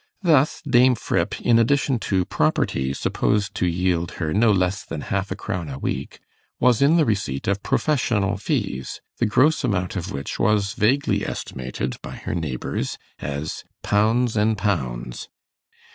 Thus Dame Fripp, in addition to 'property' supposed to yield her no less than half a crown a week, was in the receipt of professional fees, the gross amount of which was vaguely estimated by her neighbours as 'pouns an' pouns'.